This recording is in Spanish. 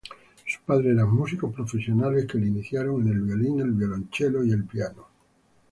Sus padres eran músicos profesionales que le iniciaron en el violín, violonchelo y piano.